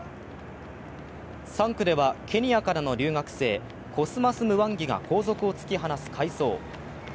３区では、ケニアからの留学生コスマス・ムワンギが後続を突き放す快走。